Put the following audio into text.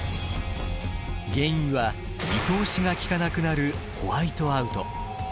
原因は見通しがきかなくなるホワイトアウト。